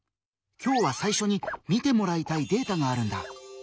今日は最初に見てもらいたいデータがあるんだ。